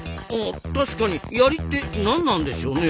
確かに「やり」って何なんでしょうね。